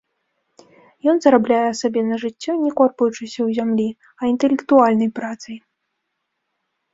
Ён зарабляе сабе на жыццё не корпаючыся ў зямлі, а інтэлектуальнай працай.